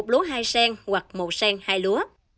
một lúa hai sen hoặc một sen hai lúa